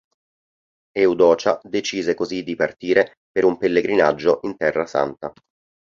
Eudocia decise così di partire per un pellegrinaggio in Terra Santa.